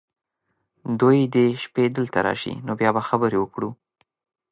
دوی دې شپې دلته راشي ، نو بیا به خبرې وکړو .